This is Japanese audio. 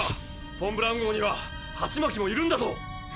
フォン・ブラウン号にはハチマキもいるんだぞ！